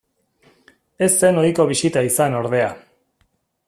Ez zen ohiko bisita izan ordea.